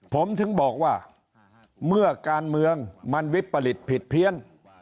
ผมถึงบอกว่าเมื่อการเมืองมันวิปริตผิดเพี้ยน